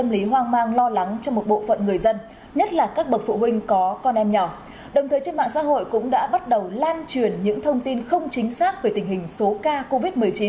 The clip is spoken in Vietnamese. đồng thời trên mạng xã hội cũng đã bắt đầu lan truyền những thông tin không chính xác về tình hình số ca covid một mươi chín